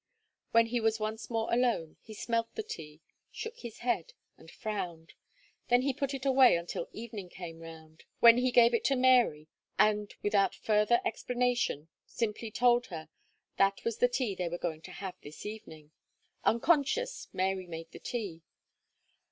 When he was once more alone, he smelt the tea, shook his head and frowned; then he put it away until evening came round, when he gave it to Mary, and without further explanation, simply told her that was the tea they were going to have this evening. Unconscious Mary made the tea.